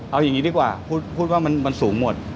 เอาอย่างนี้ดีกว่าพูดว่ามันสูงหมด